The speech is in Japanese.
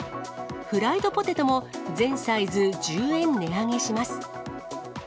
フライドポテトも全サイズ１０円値上げします。